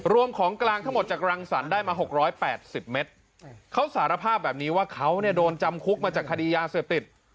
รวมของกลางทั้งหมดจากรังสรรได้มาหกร้อยแปดสิบเมตรเขาสารภาพแบบนี้ว่าเขาเนี้ยโดนจำคุกมาจากคดียาเสียบติด